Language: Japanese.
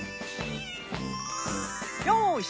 よし。